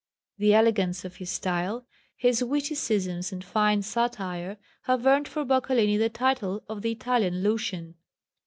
The elegance of his style, his witticisms and fine Satire, have earned for Boccalini the title of the Italian Lucian.